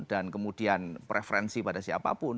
dan kemudian preferensi pada siapapun